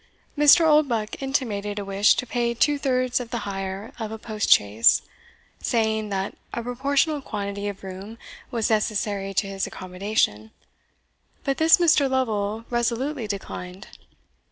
Mr. Oldbuck intimated a wish to pay two thirds of the hire of a post chaise, saying, that a proportional quantity of room was necessary to his accommodation; but this Mr. Lovel resolutely declined.